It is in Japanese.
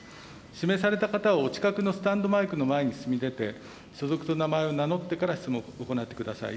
指名された方は、お近くのスタンドマイクの前に進み出て、所属と名前を名乗ってから質問を行ってください。